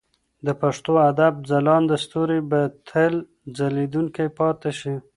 د پښتو ادب ځلانده ستوري به تل ځلېدونکي پاتې شي.